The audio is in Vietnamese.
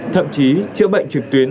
thậm chí trữa bệnh trực tuyến